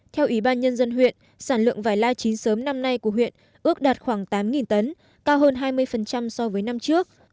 theo ủy ban nhân dân huyện sản lượng vải la chín sớm năm nay của huyện ước đạt khoảng tám tấn cao hơn hai mươi so với năm trước